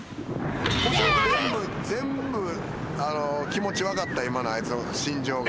全部気持ち分かった今のあいつの心情が。